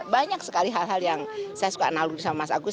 banyak sekali hal hal yang saya suka nalub sama mas agus